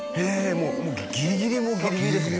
もうギリギリもギリギリですね